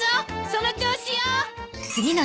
その調子よ！